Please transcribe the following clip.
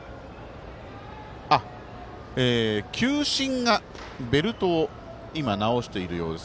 球審がベルトを今、直しているようです。